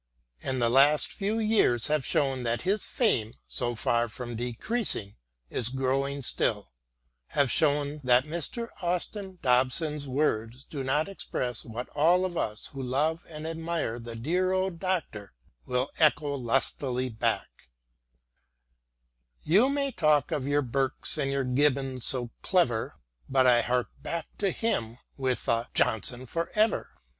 And the last few years have shown that his fame, so far from decreasing, is growing still — ^have shown that Mr. Austin Dobson's words do but express what all of us who love and admire the dear old Doctor will echo lustily back : You may talk of your Burkes and your Gibbons so clever, But I hark back to him with a "Johnson for ever